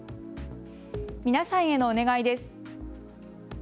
皆さんへのお願いです。